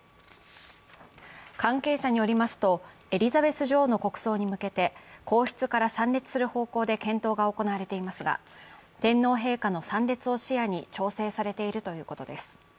関係者によりますとエリザベス女王の国葬に向けて皇室から参列される方向で検討が行われていますが、天皇陛下の参列を視野に調整されているということです。